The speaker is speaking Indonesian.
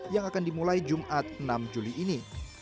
yang akan dimulai jumat enam juli ini